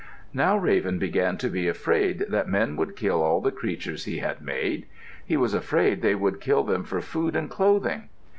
Now Raven began to be afraid that men would kill all the creatures he had made. He was afraid they would kill them for food and clothing.